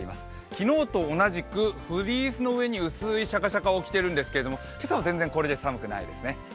昨日と同じくフリースの上に薄いシャカシャカを着てるんですけど今朝は全然これで寒くないですね。